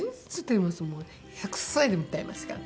１００歳でも歌いますから私。